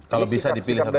kalau bisa dipilih satu saja